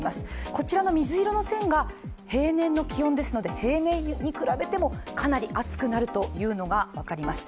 こちらの水色の線が平年の気温ですので、平年に比べてもかなり暑くなるというのが、分かります。